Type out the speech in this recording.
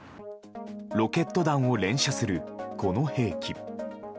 ロケット弾を連射するこの兵器。